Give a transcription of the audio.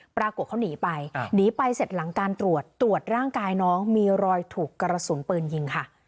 ปรากฏเขาหนีไปหนีไปเสร็จหลังการตรวจตรวจร่างกายน้องมีรอยถูกกระสุนปืนยิงค่ะ